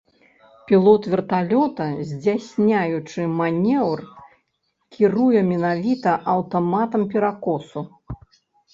Пілот верталёта, здзяйсняючы манеўр, кіруе менавіта аўтаматам перакосу.